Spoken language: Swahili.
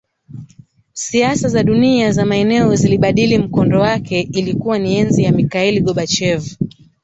Siasa za dunia za maeneo zilibadili mkondo wake Ilikuwa ni enzi ya Mikhail Gorbachev